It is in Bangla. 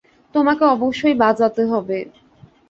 তোমাকে অবশ্যই বাজাতে হবে।